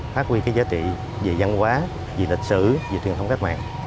phát huy giá trị về văn hóa về lịch sử về truyền thông các mạng